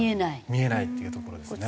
見えないっていうところですね。